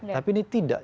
tapi ini tidak